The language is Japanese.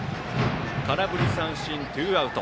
空振り三振、ツーアウト。